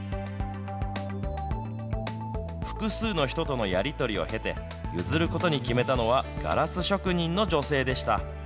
複数の人とのやり取りを経て、譲ることに決めたのは、ガラス職人の女性でした。